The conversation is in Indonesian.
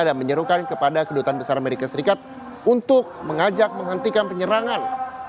dan menyerukan kepada kedutaan besar amerika serikat untuk mengajak menghentikan penyerangan